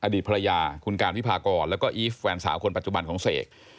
อดีตภรรยาคุณการวิพากรแล้วก็อีฟแฟนสาวคนปัจจุบันของเสก